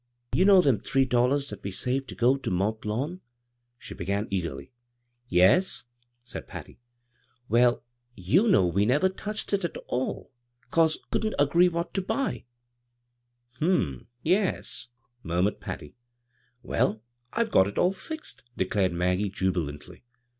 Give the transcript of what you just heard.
"You know them three dollars that we saved to go to Mont Lawn," she began eagerly. " Yes," said Patty. "Well, you know we never toodied it »55 b, Google CROSS CURRENTS at all 'cause we couldn't agree what to buy." " Hm m, yes," murmured Patty. " Well, 1 ve got it all fixed," declared Mag gie, jubilantly.